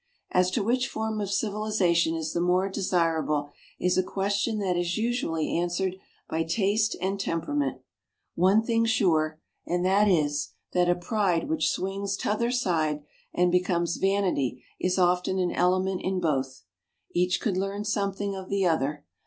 As to which form of civilization is the more desirable is a question that is usually answered by taste and temperament. One thing sure, and that is, that a pride which swings to t'other side and becomes vanity is often an element in both. Each could learn something of the other.